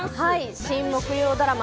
新木曜ドラマ